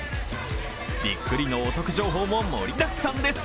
びっくりのお得情報も盛りだくさんです。